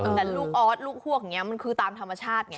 เออแต่ลูกออสลูกห้วกอย่างเงี้ยมันคือตามธรรมชาติเนี่ย